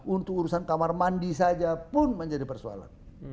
untuk urusan kamar mandi saja pun menjadi persoalan